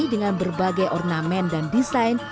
dengan berbagai ornamen dan desain